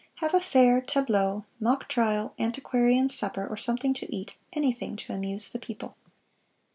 have a fair, tableaux, mock trial, antiquarian supper, or something to eat—anything to amuse the people."